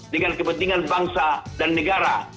dengan kepentingan bangsa dan negara